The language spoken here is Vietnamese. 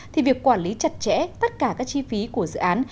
thì việc quản lý chặt chẽ tất cả các chi phí của dự án